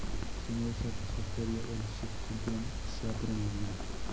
Si no es satisfactorio, el subcampeón sea promovido.